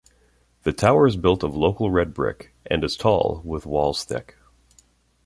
The tower is built of local red brick, and is tall, with walls thick.